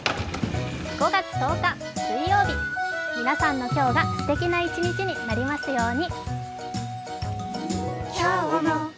５月１０日水曜日皆さんの今日がすてきな一日になりますように。